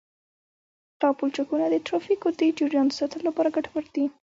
دا پلچکونه د ترافیکو د جریان د ساتلو لپاره ګټور دي